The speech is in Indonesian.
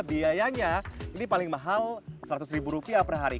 biayanya ini paling mahal seratus ribu rupiah per hari